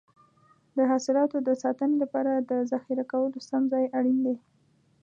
د حاصلاتو د ساتنې لپاره د ذخیره کولو سم ځای اړین دی.